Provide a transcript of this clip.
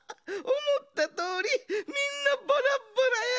おもったとおりみんなバラバラや！